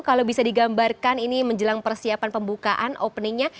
kalau bisa digambarkan ini menjelang persiapan pembukaan openingnya